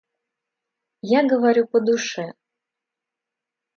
Я говорю по душе.